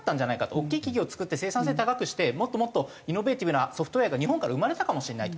大きい企業作って生産性高くしてもっともっとイノベーティブなソフトウェアが日本から生まれたかもしれないと。